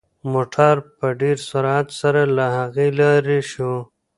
موټر په ډېر سرعت سره له هغه لرې شو.